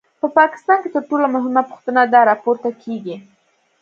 په پاکستان کې تر ټولو مهمه پوښتنه دا راپورته کېږي.